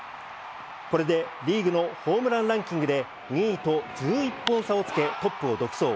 これでリーグのホームランランキングで、２位と１１本差をつけ、トップを独走。